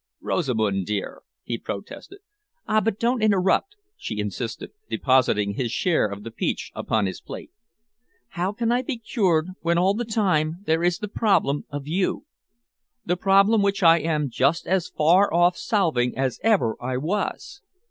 "Rosamund dear," he protested. "Ah, but don't interrupt," she insisted, depositing his share of the peach upon his plate. "How can I be cured when all the time there is the problem of you, the problem which I am just as far off solving as ever I was?